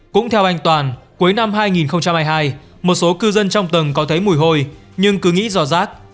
cũng theo anh toàn cuối năm hai nghìn hai mươi hai một số cư dân trong tầng có thấy mùi hôi nhưng cứ nghĩ do rác